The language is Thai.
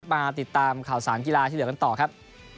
มาติดตามข่าวสารกีฬาที่เหลือกันต่อครับ